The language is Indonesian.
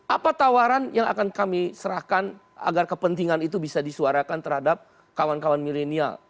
apa tawaran yang akan kami serahkan agar kepentingan itu bisa disuarakan terhadap kawan kawan milenial